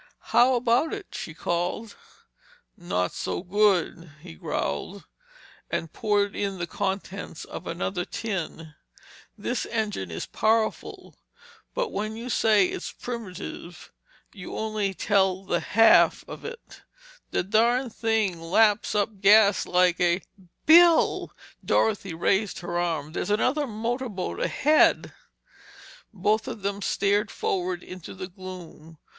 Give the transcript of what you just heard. "How about it?" she called. "Not so good," he growled, and poured in the contents of another tin. "This engine is powerful, but when you say it's primitive, you only tell the half of it. The darn thing laps up gas like a—" "Bill!" Dorothy raised her arm—"there's another motor boat ahead!" Both of them stared forward into the gloom.